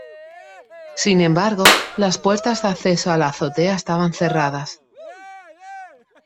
Sin embargo, las puertas de acceso a la azotea estaban cerradas.